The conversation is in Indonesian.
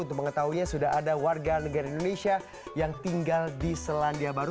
untuk mengetahuinya sudah ada warga negara indonesia yang tinggal di selandia baru